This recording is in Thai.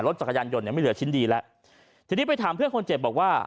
จักรยานยนต์เนี่ยไม่เหลือชิ้นดีแล้วทีนี้ไปถามเพื่อนคนเจ็บบอกว่า